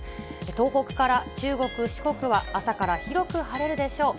東北から中国、四国は朝から広く晴れるでしょう。